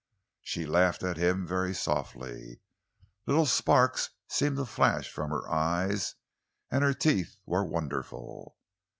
She laughed at him very softly. Little sparks seemed to flash from her eyes, and her teeth were wonderful.